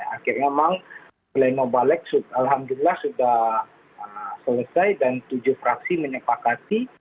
akhirnya memang pleno balik alhamdulillah sudah selesai dan tujuh fraksi menyepakati